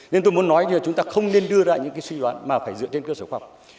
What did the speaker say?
nên tôi muốn nói là chúng ta không nên đưa ra những cái suy đoán mà phải dựa trên cơ sở khoa học